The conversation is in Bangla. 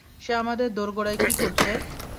সে আমাদের দোরগোড়ায় কী করছে?